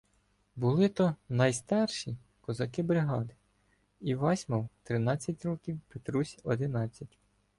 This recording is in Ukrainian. Були то "найстарші" козаки бригади: Івась мав тринадцять років, Петрусь — одинадцять.